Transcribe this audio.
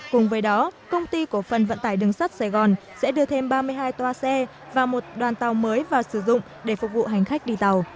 cùng với đó công ty cổ phần vận tải đường sắt sài gòn sẽ đưa thêm ba mươi hai toa xe và một đoàn tàu mới vào sử dụng để phục vụ hành khách đi tàu